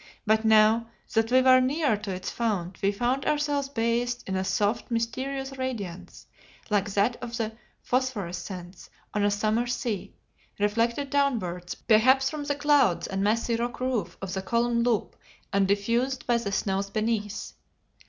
But now that we were nearer to its fount we found ourselves bathed in a soft, mysterious radiance like that of the phosphorescence on a summer sea, reflected downwards perhaps from the clouds and massy rock roof of the column loop and diffused by the snows beneath.